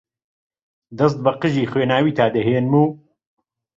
دەست بە قژی خوێناویتا دەهێنم و